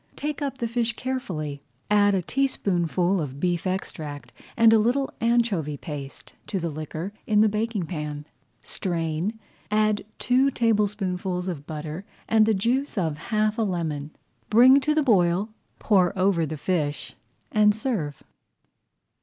Take up the fish carefully, [Page 92] add a teaspoonful of beef extract and a little anchovy paste to the liquor in the baking pan, strain, add two tablespoonfuls of butter and the juice of half a lemon, bring to the boil, pour over the fish, and serve.